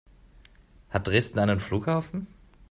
Hat Dresden einen Flughafen?